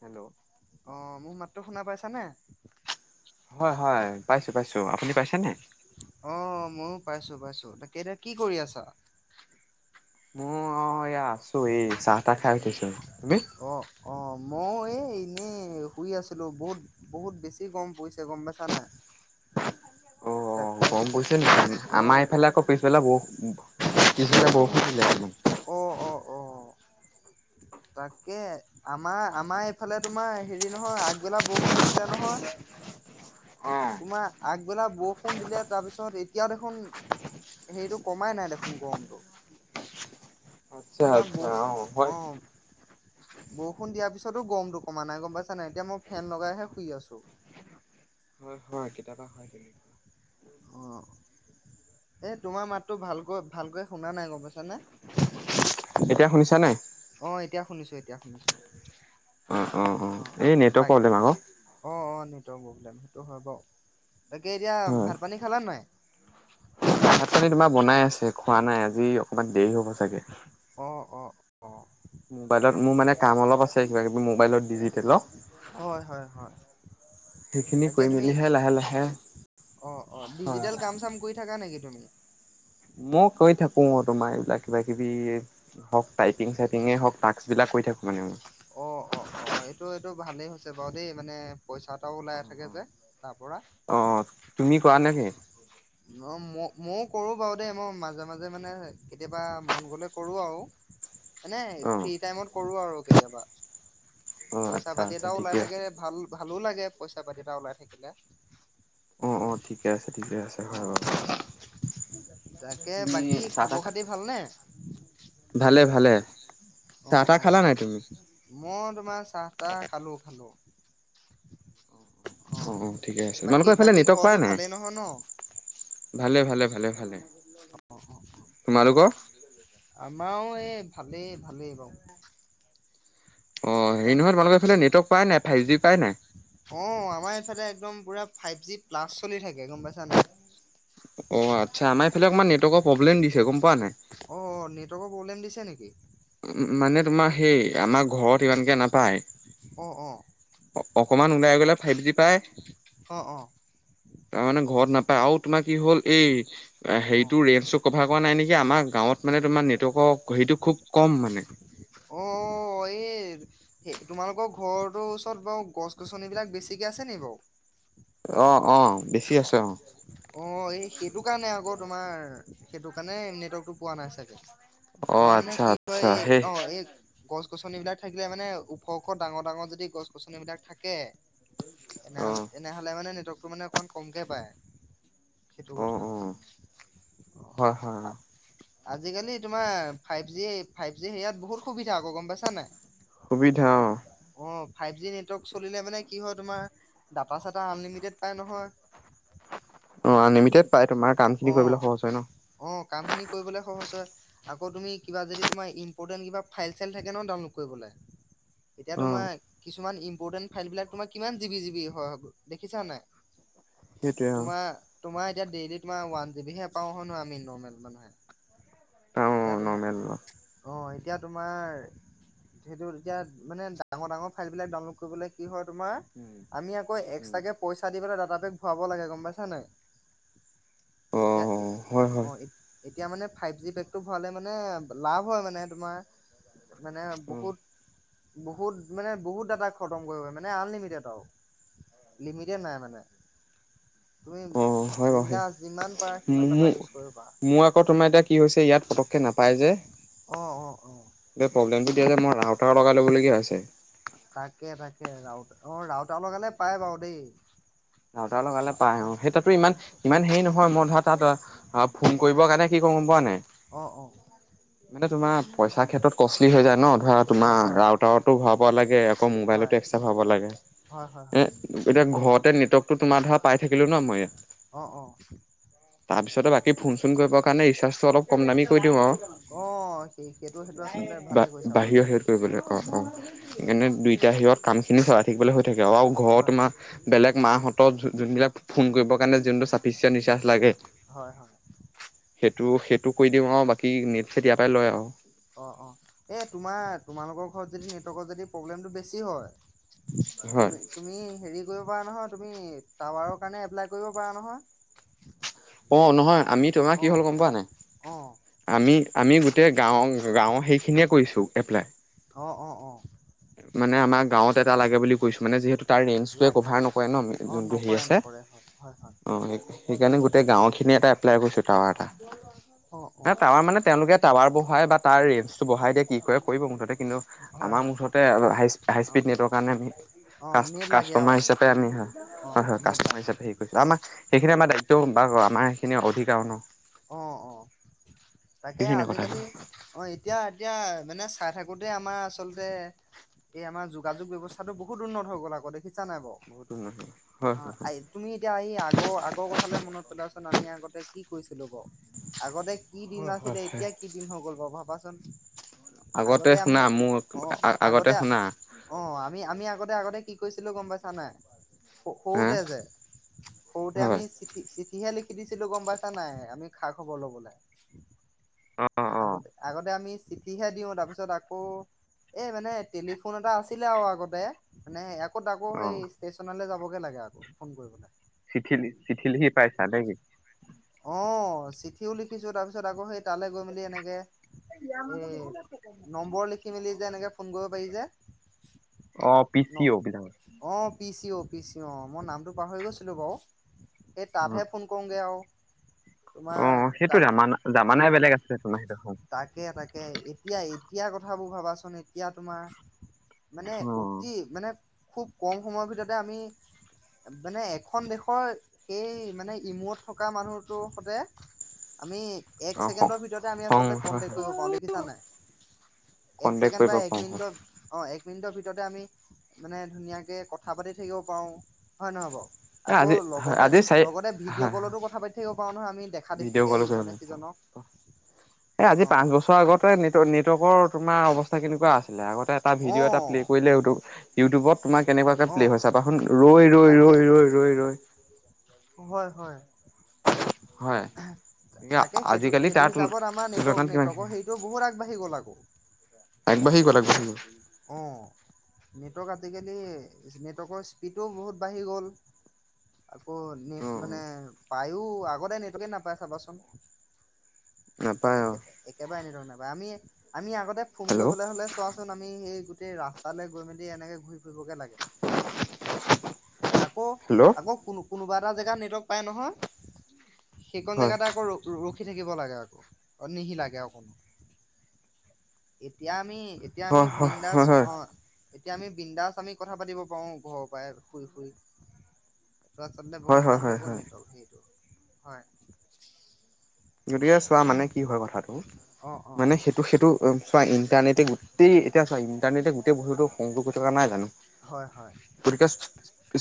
Hello অ' মোক মাত্ৰো শুনা পাইছানে? হয়-হয়, পাইছো পাইছো, আপুনি পাইছে নে? অঁ, ময়ো পাইছো পাইছো, তাকেই এতিয়া কি কৰি আছা? মোৰ অঁ এয়া আছো, এই চাহ তাহ খাই উঠিছ। হ [unintelligible] মই এই এনেই শুই আছিলো বহুত বহুত বেছি গম পৰিছে গম পাইছা নাই। তাকে অহ গৰম পৰিছে নেকি অ আমাৰ এইফালে আকৌ পিছবেলা বহু বওষুণ অহ অহ অহ তাকে আমাৰ আমাৰ এইফালে তোমাৰ হেৰি নহয় আগবেলা বৰষুণ দিছিলে নহয় তোমাৰ আগবেলা বৰষুণ দিলে তাৰপিছত এতিয়াও দেখোন হেৰিটো কমাই নাই দেখোন গৰমটো আচ্ছা আচ্ছা হয় অহ বৰষুণ দিয়াৰ পিছতো গমটো কমা নাই গম পাইছা নাই, এতিয়া মই ফেন লগাইহে শুই আছোঁ হয় হয় কেতিয়াবা হয় তেনেকুৱা এহ তোমাৰ মাতটো ভালকৈ ভালকৈ শুনা নাই গম পাইছানে? এতিয়া শুনিছা নাই? অ', এতিয়া শুনিছোঁ এতিয়া শুনিছো অ অ অ অহ, এই নেটৱৰ্ক বাই প্ৰব্লেম আকৌ অহ অহ নি নেটৱৰ্ক প্ৰব্লেম সেইটো হয় বাৰু তাকে এতিয়া হয় ভাত পানী খালা নাই? ভাত পানী তোমাৰ বনাই আছে খোৱা নাই আজি অকণমান দেৰি হ'ব চাগে অহ অহ অহ মোবাইলত মোৰ মানে কাম অলপ আছে কিবা কিবি মোবাইলত ডিজি হয় হয় হয় সেইখিনি তাকে কৰি তুমি মেলিহে লাহে লাহে অহ অহ হয় ডিজিটেল কাম চাম কৰি থাকা নেকি? তুমি মই কৈ থাকো তোমাৰ এইবিলাক কিবা কিবি হওক টাইপিং চাইপিঙে হওক টাকচ বিলাক কৰি থাকো মানে অহ অহ অহ এইটো এইটো ভালেই হৈছে বাৰু দেই মানে পইচা এটাও ওলাই থাকে যে তাৰ পৰা অহ তুমি চোৱা নেকি মও ময়ও কৰোঁ বাৰু দেই মই মাজে মাজে মানে কেতিয়াবা মন গ'লে কৰো আৰু মানে অ ফ্ৰী টাইমত কৰোঁ আৰু কেতিয়াবা অ পইচা আচ্ছা পাতি আচ্ছা এটাও ওলাই ঠিকে থাকে ভাল ভালো লাগে পইচা পাতি এটা ওলাই থাকিলে অহ ঠিকে আছে ঠিকে আছে, তাকে বাকী খবৰ খাতি ভালনে? ভালে ভালে চাহ তাহ খালা নাই তুমি? মা চাহ তাহ খালো খালো অহ ঠিকে আছে বাকী তোমালোকৰ ফালে বাকী নেটৱৰ্ক ঘৰতো পায় ভালেই নহয় ন? নাই ভালে ভালে ভালে ভালে তোমালোকৰ আমাৰো এই ভালেই ভালেই বাৰু অ হেৰি তাক নহয় তোমালোকৰ এইফালে নেটৱৰ্ক পাই নাই ফাইভ জি পাই নাই অ আমাৰ এইফালে একদম পুৰা ফাইভ জি প্লাছ চলি থাকে গম পাইছা নাই অ আচ্ছা আমাৰ এইফালে অকমান নেটৱৰ্কৰ প্ৰব্লেম দিছে গম পোৱা নাই অ প্ৰব্লেম দিছে নেকি মানে তোমাৰ সেই আমাৰ ঘৰত ইমানকে নাপায় অ অ অকমান ওলাই গ'লে ফাইভ জি পায় অ অ তাৰমানে ঘৰত নাপ আউ তোমা কি হ'ল এই অ হেটো ৰেঞ্জটো কভাৰ কৰা নাই নেকি আমাৰ গাঁৱত মানে তোমাৰ নেটৱৰ্ক ক সেইটো খুব কম মানে অ এই সেই তোমালোকৰ ঘৰটোৰ ওচৰত বাৰু গছ গছনিবলাক বেছিকে আছে নেকি বাৰু অ অ বেছি আছে অ অ এই সেইটো কাৰণে আকৌ তোমাৰ সেইটো কাৰণে নেটৱৰ্কতটো পোৱা নাই চাগে অ তোমাৰ মানে আচ্ছা কি হয় আচ্ছা এই সেই অ এই গছ গছ গছনি বিলাক থাকিলে মানে ওখ ওখ ডাঙৰ ডাঙৰ যদি গছ গছনি বিলাক থাকে অ তেনেহ তেনেহ'লে মানে নেটৱৰ্ক টো মানে অকণমান কমকে পায় সেইটো অ কথা অ' অ হয় হয় অ আজিকালি তোমাৰ ফাইভ জি ফাইভ জি সেয়াত বহুত সুবিধা আকৌ গম পাইছা নাই সুবিধা অ অঁ ফাইভ জি নেটৱৰ্ক চলিলে মানে কি হয় তোমাৰ ডাটা চাটা আনলিমিটেড পায় নহয় অ আনলিমিটেড পাই তোমাৰ কাম খিনি অ কৰিবলৈ সহজ হয় অ ন কামখিনি কৰিবলৈ সহজ হয় আকৌ তুমি কিবা যদি তোমাৰ ইম্পৰ্টেণ্ট কিবা ফাইল চাইল থাকে ন ডাউনলোড কৰিবলে এতিয়া অ তোমাৰ কিছুমান বৰ্ডেন ফাইল বিলাক তোমাৰ কিমান জিবি জিবি হয় দেখিছা নাই সেইটোৱে অ তোমাৰ তোমাৰ দেইলি তোমাৰ ওৱান জিবিহে পাওঁ হ ন আমি নৰ্মেল মানুহে অ এতিয়া নৰ্মেল অ তোমাৰ অ এতিয়া তোমাৰ সেইটো এতিয়া মানে ডাঙৰ ডাঙৰ ফাইলবিলাক ডাউনলোড কৰিবলৈ কি হয় তোমাৰ আমি আকৌ এক্সট্ৰা যে পইচা দি পেলাই ডাটা টা পেক ভৰাব লাগে গম পাইছা নে অ এতিয়া এ হয় হয় অ এ এতিয়া মানে ফাইভ জি পেকটো ভৰালে মানে লাভ হয় মানে তোমাৰ মানে অ বহুত বহুত মানে বহুত ডাটা খতম কৰিব মানে আনলিমিটেড আৰু লিমিটেড নাই মানে তুমি অ হয় হয় বিন্দাছ যিমান পাৰা সিমান ডাটা মোৰ ইউজ কৰিব পাৰা মোৰ আকৌ তোমাৰ এতিয়া কি হৈছে ইয়াত পতকে নাপায় যে অ অ অ তিয়া প্ৰব্লেমটো দিয়া কাণে মই আতৰ লগাই ল'বলগীয়া হৈছে তাকে তাকে ৰাউতা অ ৰাউতাৰ লগালে পাই বাৰু দেই ৰাউতাৰ লগালে পাই অ সেই তাতো ইমান ইমান হেৰি নহয় মই ধ তা ত অ ফোন কৰিবৰ কাৰণে কি কও গম পোৱা নাই অঁ অঁ মানে তোমাৰ পইচাৰ ক্ষেত্ৰত কচলি হৈ যায় ন হয় তোমাৰ হয় ৰাউটাৰতো ভৰাব লাগে আকৌ মোবাইলতো হয় এক্স্ৰা ভৰাব লাগে হয় হয় এ হয় এতিয়া ঘৰতে নেটৱৰ্ক ত তোমাৰ ধৰা পাই থাকিলে ন মোৰ ইয়াত অ অ তা পিছতে বাকী ফোন চোন ক কৰিব কাৰণে ৰিচাৰ্ছ টো অ কম দাম কৰি দি আও অ সেই সেইটো সেইটো আচলতে বা ভালে কৰিছা বাৰু বাহিৰৰ দেই হে কৰিবলে অ অ সেইকাৰণে দুইটা হেইঅত কাম খিনি চলাই থাকিবলৈ হৈ থাকে আও ঘৰ অ তোমাৰ বেলেগ মা হ যোনবিলাক ফোন কৰিবৰ কাৰণে যোনটো চাফিচেঞ্ ৰিচাৰ্জ লাগে হয় হয় সেইটো সেইটো কৰি দিওঁ আৰু বাকী নেট ফিত ইয়াতে লয় আৰু অ অ এই তোমাৰ তোমালোকৰ ঘৰত যদি নেটৱৰ্কৰ যদি প্ৰব্লেমটো বেছি হয় হয় তুমি তুমি হেৰি কৰিবাৰ নহয় তুমি টাৱাৰৰ কাৰণে এপ্লাই কৰিব পাৰা নহয় অ নহয় আমি তোমাৰ অ কি হ'ল গম পোৱা অ নাই আমি আমি গোটেই গাঁৱৰ গাঁৱৰ সেইখিনিয়ে কইছোঁ এপ্লাই অ অ অ মানে আমাৰ গাঁৱত এটা লাগে বুলি কৈছো মানে যিহেতু তাৰ ৰেঞ্জ টোৱে লাগে কভাৰ লাগে নকৰে ন অ যোনটো হেই নকৰে আছে নকৰে হয় হয় হয় অ সেইকাৰণে গোটেই গাঁও খিনি এটা এপ্লাই কৰিছো টাৱাৰ এটা অ অ টাৱাৰ মানে তেওঁলোকে টাৱাৰ বহ়াই বা তাৰ ৰেঞ্জটো বঢ়াই দিয়ে কি কৰে কৰিব মুঠতে কিন্তু আমাৰ মুঠত হয় আৰু হাই হাই অ স্পীড নেটৱৰ কাৰণে আমি অ কা নেট লাগে কাষ্টমাৰ আৰু হিচাপে আমি হয় অ হয় হয় নেট কাষ্টমাৰ লাগে হিচাপে হেৰি কৰিছিলোঁ আমাক সেইখিনি আমাৰ দায়িত্ব বা আমাৰ সেইখিনি অধিকাৰো ন অ অ তাকে সেইখিনি কথা আজিকালি অ এতিয়া এতিয়া মানে চাই থাকোতে আমাৰ আচলতে এই আমাৰ যোগাযোগ ব্যৱস্থাটো বহুত উন্নত হৈ গ'ল আকৌ দেখি দেখিছা নাই বাৰু বহুত উন্নত হয় আমাৰ এ তুমি এতিয়া এই আগৰ আগৰ কথালৈ মনত পেলোৱাচোন আমি আগতে কি কৈছে আগতে কি দিন হয় হয় আছিলে হয় হয় এতিয়া কি দিন হৈ গল বাৰু ভাবাচোন আগতে আমি শুনা মোৰ অ আগতে অ আমি আমি আগতে আগতে কি কৈছিলো গম পাইছা নাই হা সৰুতে যে সৰুতে আমি হয় চিিি কিহে লিখি দিছিলো গম পাইছ নাই আমি খা খবৰ ল'বলৈ অ অ আগতে আগতে আমি চিঠিহে দিওঁ তাৰপিছত আকৌ এই মানে টেলিফোন এটা আছিলে আৰু আগতে মানে ত আকৌ অ সেই ষ্টেচনলৈ যাব লগে লাগে আকৌ ফোন কৰিবলৈাগ চিঠিল চিঠিলহি পাইছা নে কি অ চিঠিও লিখিছো তাৰপিছত আকৌ সেই তালৈ গৈ মেলি এনেকে য় এ নম্বৰ লিখি মেলি যে এনেকে ফোন কৰিব পাৰি যে আহ পিছ অবিঙ ি অ পিচি অ মই নামটো পাহৰি গৈছিলো বাৰু এই তাতহে ফোন কৰোগৈ আৰু অ তোমাৰ সেইটো তাক জামানা জামানাই বেলেগ আছে তোমাৰ সেইটো তাকে তাকে এতিয়া এতিয়া কথা কথাবোৰ ভাবাচোন এতিয়া তোমাৰ মানে অ উতিি মানে খুব কম সময়ৰ ভিতৰতে আমি মানে এখন দেশৰ সেই মানে ইমূত থকা মানুহৰ সতে আমি এক অ হ ছেকেণ্ডৰ ভিত আমি হং আচলতে হয় কনটেক হয় কৰিব পাৰ দেিছা নাই কন্টেক্ট একছেকেণ্ড বা কৰিব এক পাৰো হয় মিনিটত অ এক মিনিটৰ ভিতৰতে আমি মানে ধুনীয়াকৈ কথা পাতি থাকিব পাৰোঁ হয় নহয় বাৰু এ আকৌ আজি হয় লগতে আজি চাৰি লগতে ভিডিঅ' হয় কলতো কথা পাতি অ ভিডিঅ' কল আজি অ পাঁচ বছৰ আগতে ন নেটৱৰ্কৰ তমাৰ অৱস্থা কেনেকুৱা আছিলে আগত এটা অ ভিডিঅ' এটা প্লে কৰিলে উো ইউটিউবত- তোমাৰ কেনেকুৱাকে অ প্লে হৈ চাবা শোন ৰৈ ৰৈ তাকে ৰৈ ৰৈ ৰৈ ৰৈ। হয় হয়। হয় তাকে সেইটো আজিকালি সেইটো তাৰ হিচাপত আমাৰ নেটৱৰ্ক কিমান নেটৱৰ্কৰ হেৰিটো বহুত আগবাঢ়ি গ'ল আকৌ [unintelligible] আগবাঢ়ি গল অঁ নেটৱৰ্ক আজিকালি নেটৱৰ্কৰ স্পীডো বহুত বাঢ়ি গ'ল। আকৌ অ নেট অ মানে পাই। এই আগতে নেটৱৰ্কে নাপায় চাবাচোন- নাপায় অ একে একেবাৰে আনি [unintelligible] নাই। আমি আমি আগতে- ফোন হেল্ল' কৰিবলৈ হ'লে চোৱাচোন- সেই গোটেই ৰাস্তালৈ গৈ মেলি এনেকে ঘূৰি- লাগে আকৌ হেল্ল' আকৌ কোনো কোনোবা- এটা জেগাত নেটৱৰ্ক পায় নহয়। সেইখন হয় জেগাতে আকৌ- ৰখি থাকিব লাগে আকৌ অ নিশি লাগে অ কোনো এতিয়া আমি- এতিয়া আমি হয় হয় বিন্দাস হয় হয় অঁ- এতিয়া আমি বৃন্দাস আমি কথা পাতিব পাৰো ঘৰৰ পৰাই শুই শুই। ত চললে হয় বহুত হয় ভাল হৈ হয় গ'ল হয় নেটৱৰ্ক সেইটো। হয়। যদিহে চোৱা মানে কি হয় কথাটো অ অ মানে সেইটো সেইটো চোৱা- তে এতিয়া গোটেই এতিয়া চি- ইণ্টাৰনেটে গোটেই [unintelligible] সংযোগ হৈ থকা নাই জানো। হয় হয়। গতিকে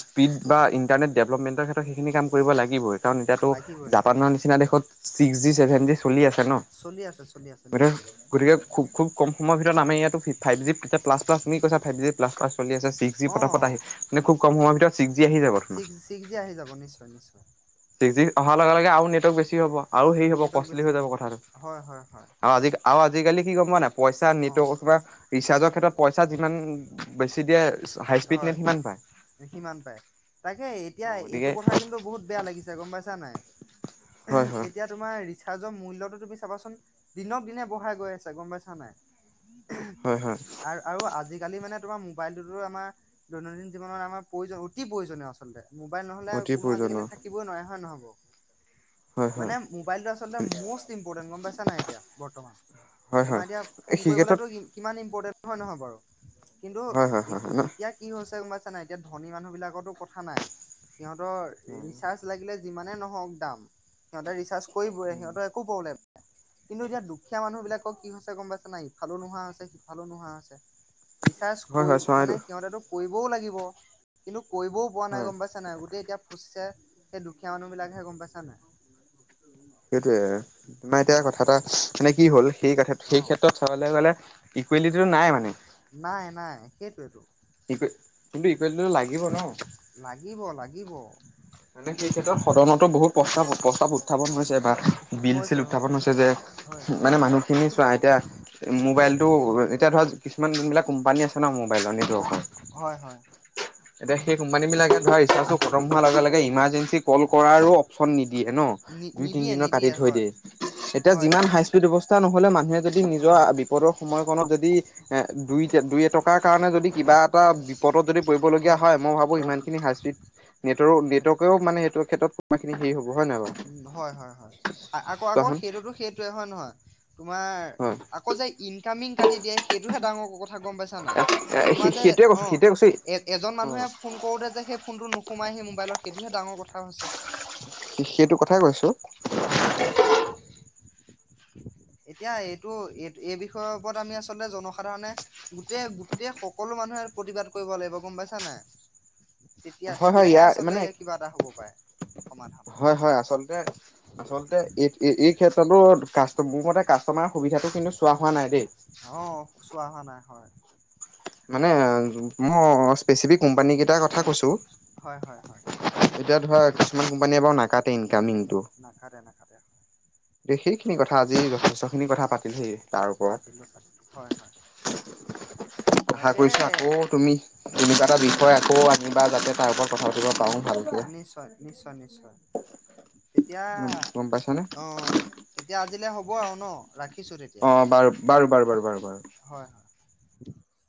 স্পীড বা ইণ্টাৰনেট ডেভেলপমেণ্টৰ ক্ষেত্ৰত সেইখিনি কাম কৰিব লাগিবই। কাৰণ এতিয়াতো লাগিবই জাপানৰ লাগিবই নিচিনা হয় দেশত- ছিক্স জি ছেভেন জি চলি আছে ন চলি আছে চলি আছে নিশ্চয় গতিকে গতিকে- খু খুব কম সময় ভিতৰত আমি ইয়টো ফাইভ জি প্লাছ তুমি কৈছা ফাইভজি প্লাছ - চলি আছে চিক্সজি পতাপত অ আহি মানে খুব কম সময়- [unintelligible] ছিক্স ছিক্স জি আহি যাব নিশ্চয় নিশ্চয়। ছিক্স জি অহাৰ লগে লগে আৰু নেটৱৰ্ক বেছি হ'ব। আৰু হেৰি হব নেটৱৰ্ক কষ্টলি বেছি হৈ হ'ব যাব কথাটো হয় হয় হয় আৰু আজি আৰু- আজিকালি কি গম পোৱা নাই পইচা অ নিত কা ৰিচাৰ্জৰ ক্ষেত্ৰত পইচা যিমান বেছি দিয়ে হাই স্পীড নেট হয় সিমান পায়। সিমান পাই তাকে এতিয়া অ' এইটো গতিকে কথা কিন্তু বহুত বেয়া লাগিছে চে গম [inaudible] পায়ছা নে নাই হয় হয় এতিয়া তোমাৰ ৰিচাৰ্জ মূল্যতটো তুমি চাবাচোন দিনক দিনে বঢ়াই গৈ আছা গম পাইছা নাই হয় হয় আৰু আৰু আজি আলি মানে তোমাৰ মোবাইলটোতো আমাৰ দৈনন্দিন জীৱনত আমাৰ প্ৰয়োজন অতি প্ৰয়োজনীয় আচলতে মোবাইল নহ'লে অতি কোনো প্ৰয়োজনীয় আজিকালি থাকিবই নোৱাই হয় নহয়ব হয় হয় মানে মল আল মে গ পাইা নাই এতি বৰ্তমান হয় তোমাৰ হয় এতিয়া ফোন সেই ক্ষেত্ৰত কৰিবো কিমান নহয় নহয় বাৰু কিন্তু হয় হয় ই হয় হয় ন এতিয়া কি হৈছে কোনোবা চানাই এতিয়া ধনী মানুহ বিিলাকৰো কথা নাই সিহঁতৰ ৰিচাৰ্জ লাগিলে ন কৰিবই সিহঁতৰ একো প্ৰব্লেম কিন্তু এতিয়া দুখীয়া মানুহ বিিলাকক কি হৈছে গম পাইছে না ইফালো নোহোৱা হৈছে সিফালে নোহোৱা হৈছে চাৰজ হয় কৰি হয় মানে চৰাইদেউ কৰিবও লাগিব কিন্তু কৰিবও পৰা নাই হয় গম পাইছে নাই গোটেই এতিয়া ফুচিছে সেই দুখীয়া মানুহ বিলাকহে গম পাইছানে সেইটোোৱে তমাৰ এতিয়া কথা এটা মানে কি হ'ল সেই কথা সেই অ', ক্ষেত্ৰত চাবলে গলে ইকুৱেলিটিটো নাই মানে নাই নাই সেইটোোৱেতটো কিন্তু ইকুৱেলিটো লাগিব ন লাগিব লাগিব মানে সেই ক্ষেত্ৰত সদনতো বহুত প্ৰস্তাৱ প্ৰস্তাৱ উত্থাপন হৈছে হৈছে হৈছে হয় বিল হৈছে উ মান হয় হয়। এ ম ইমাৰ্জেঞ্চি কল কৰাৰো অপশন নিদিয়ে দিয়ে ন নি দুই নিদিয়ে তিনদিনৰ কাটি নিদিয়ে থৈ হয় দিয়ে এতিয়া হয় যিমান হাই স্পিড অৱস্থা নহলে মানুহে যদি নিজৰ হয় বিপদৰ সময়ত যদি এ দুই দুই এটকাৰ কাৰণে যদি কিবা এটা বিপদত যদি ল হয় মই অ ভাবোমানখ হাইড নে মানে সেইটো ক্ষেত্ৰ কোনোিন হে হ'ব হয় নাই বাৰু উ হয় হয় হয় আকৌ আকৌ চোৱাচোন সেইটোতো সেইটোৱে হয় নহয় তোমাৰ হয় আকৌ যে ইনকামিং কাটি দিয়ে সেইটোহে ডাঙৰ কথা গম পাইছা নাই তোমাৰ যে সেইটোৱে কৈছো অঁ সেইটোৱে কৈছো এজন অ মানুহে ফোন কৰোতে যে সেই ফোনটো নোসোমাই সেই মোবাইলত সেইটোহে ডাঙৰ কথা কথাা হৈছে [inaudible] সেইটো কথাই কৈছোঁ। হয় হয় এতিয়া এইটো, এইটো, এই বিষয়ৰ ওপৰত আমি আচলতে জনসাধাৰণে, গোটেই গোটেই সকলো মানুহে প্ৰতিবাদ কৰিব লাগিব। গম পাইছা নাই? তেতিয়া, হয় হয় তেতিয়াহে আচলতে মানে ইয়াৰ কিবা এটা হ'ব পাৰে। সমাধান। হয়! হয়! আচলতে, আচলতে, এই, এই ক্ষেত্ৰতো কা মোৰ মতে কাষ্টমাৰৰ সুবিধাটো কিন্ত চোৱা হোৱা নাই দেই। অ', চোৱা হোৱা নাই হয়, মানে মোৰ স্পেচিফিক কোম্পানী কেইটাৰ কথা কৈছোঁ। হয়, হয়, হয়, এতিয়া ধৰ মানে এইবাৰো নাকাটিম। নাকাটে। নাকাটে। সেই সেইখিনি কথা আজি যথেষ্ঠ খিনি কথা পাতিলোঁহি তাৰ ওপৰত। পাতিলো পাতিলো হয়, হয়, আশা তাকে কৰিছোঁ আকৌ তুমি, কোনোবা এটা হয়, বিষয় হয়, আকৌ আনিবা যাতে তাৰ ওপৰত কথা পতিব পাওঁ। অ' নিশ্চয়! নিশ্চয়! নিশ্চয়! তেতিয়া গম পাইছানে? অ'হ তেতিয়া আজিলৈ হ'ব আৰু ন? ৰাখিছো তেতিয়া অ' বাৰু! বাৰু! বাৰু! বাৰু! বাৰু! বাৰু! [inaudible]